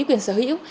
quyền sở hữu